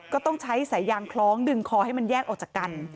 ก็ต้องใช้สายยางคล้องดึงคอให้มันแยกออกจากกัน